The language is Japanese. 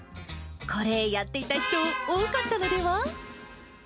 これ、やっていた人、多かったのでは？